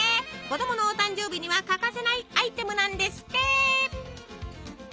子供のお誕生日には欠かせないアイテムなんですって。